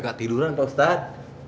saya gak tiduran bukstan